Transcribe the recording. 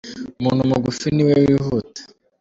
Umuntu mugufi niwe wihuta.